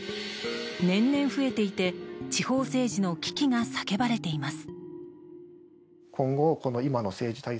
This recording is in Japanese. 年々増えていて地方政治の危機が叫ばれています。